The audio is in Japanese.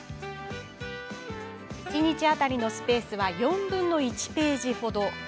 一日当たりのスペースは４分の１ページ程。